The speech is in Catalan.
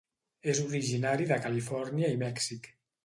És originari de Califòrnia i Mèxic.